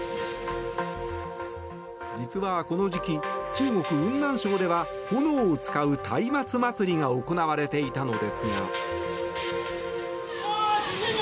実は、この時期中国・雲南省では炎を使うたいまつ祭りが行われていたのですが。